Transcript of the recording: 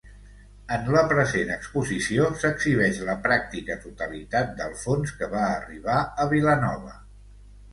En la present exposició s'exhibeix la pràctica totalitat del fons que va arribar a Vilanova.